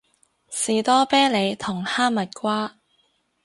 士多啤梨同哈蜜瓜